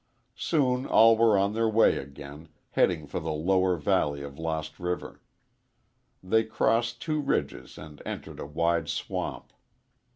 Soon all were on their way again, heading for the lower valley of Lost River. They crossed two ridges and entered a wide swamp.